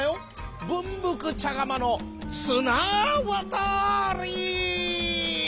ぶんぶくちゃがまのつなわたり」。